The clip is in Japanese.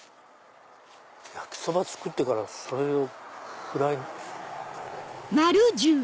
焼きそば作ってからそれをフライに。